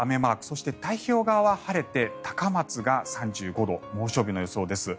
そして、太平洋側は晴れて高松が３５度猛暑日の予想です。